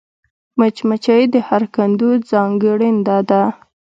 مچمچۍ د هر کندو ځانګړېنده ده